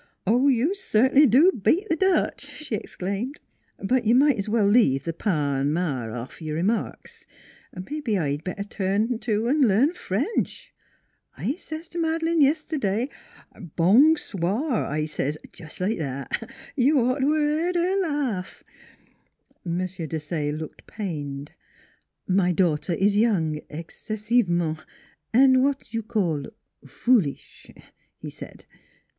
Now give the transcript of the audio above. " You cert'nly do beat th' Dutch !" she ex claimed. " But you might's well leave the pa an' ma off your remarks. ... Mebbe I'd better turn to an' learn French; I says t' Mad'lane yiste'day, NEIGHBORS 135 ' Bong swore,' I says, jest like that. You'd ought t' 'a' heard her laugh." M. Desaye looked pained. " My daughter is young excessivement an' w'at you call foolish," he said.